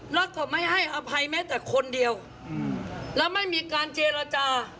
แล้วเขาไม่ให้อภัยแม้แต่คนเดียวแล้วไม่มีการเจรจา